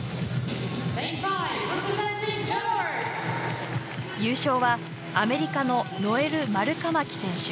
優勝はアメリカのノエル・マルカマキ選手。